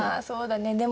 そうだね。